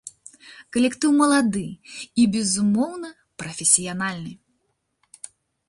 Калектыў малады і, безумоўна, прафесіянальны.